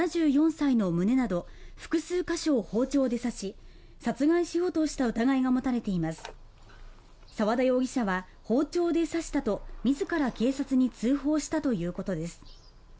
７４歳の胸など複数箇所を包丁で刺し殺害しようとした疑いが持たれています澤田容疑者は包丁で刺したと自ら警察に通報したということです